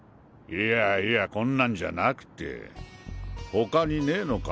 いやいやこんなんじゃなくて他にねえのか？